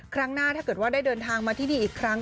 ครั้งหน้าถ้าเกิดว่าได้เดินทางมาที่นี่อีกครั้ง